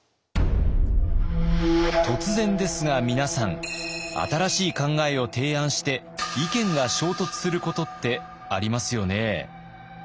突然ですが皆さん新しい考えを提案して意見が衝突することってありますよね。